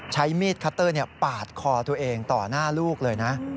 ใช้มีดคัตเตอร์ปาดคอตัวเองต่อหน้าลูกเลยนะ